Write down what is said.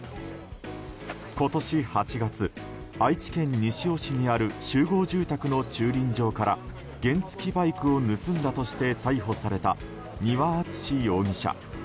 今年８月、愛知県西尾市にある集合住宅の駐輪場から原付きバイクを盗んだとして逮捕された丹羽篤志容疑者。